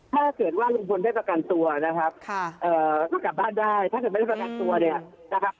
ถ้าเกิดว่าลุงพลได้ประกันตัวนะครับก็กลับบ้านได้ถ้าเกิดไม่ได้ประกันตัวเนี่ยนะครับ